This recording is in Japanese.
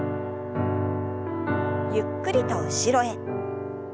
ゆっくりと後ろへ。